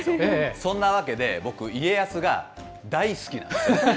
そんなわけで、僕、家康が大好きなんです。